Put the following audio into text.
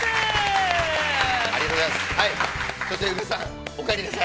◆ありがとうございます。